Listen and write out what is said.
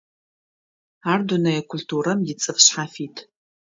Ар дунэе культурэм ицӀыф шъхьафит.